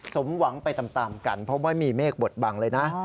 สมหวังไปตามกันเพราะว่ามีเมฆบทบังเลยนะ